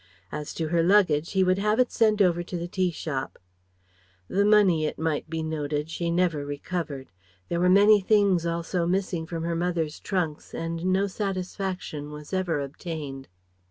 As to her luggage he would have it sent over to the tea shop. (The money, it might be noted, she never recovered. There were many things also missing from her mother's trunks and no satisfaction was ever obtained.)